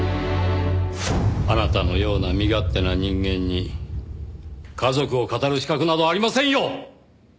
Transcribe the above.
あなたのような身勝手な人間に家族を語る資格などありませんよ！